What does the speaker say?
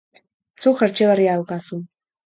Zuk jertse berria daukazu.